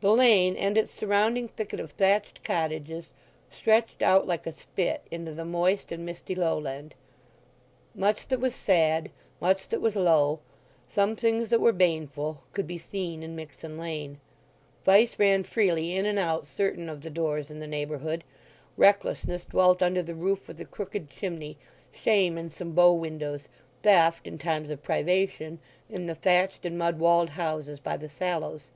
The lane and its surrounding thicket of thatched cottages stretched out like a spit into the moist and misty lowland. Much that was sad, much that was low, some things that were baneful, could be seen in Mixen Lane. Vice ran freely in and out certain of the doors in the neighbourhood; recklessness dwelt under the roof with the crooked chimney; shame in some bow windows; theft (in times of privation) in the thatched and mud walled houses by the sallows.